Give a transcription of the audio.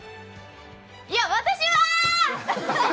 いや、私は！